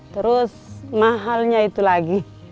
terus mahalnya itu lagi